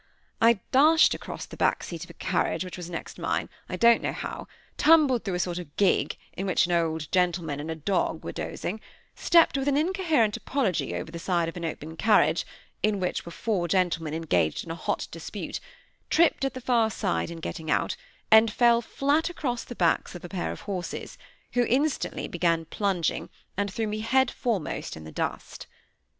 I dashed across the back seat of a carriage which was next mine, I don't know how; tumbled through a sort of gig, in which an old gentleman and a dog were dozing; stepped with an incoherent apology over the side of an open carriage, in which were four gentlemen engaged in a hot dispute; tripped at the far side in getting out, and fell flat across the backs of a pair of horses, who instantly began plunging and threw me head foremost in the dust.